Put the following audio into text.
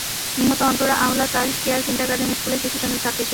নিহত অন্তরা আহলা child care kindergarten স্কুলে শিশু শ্রেণির ছাত্রী ছিল।